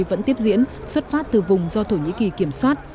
vẫn tiếp diễn xuất phát từ vùng do thổ nhĩ kỳ kiểm soát